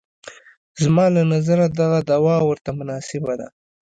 زما له نظره دغه دوا ورته مناسبه ده.